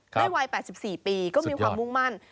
วัย๘๔ปีก็มีความมุ่งมั่น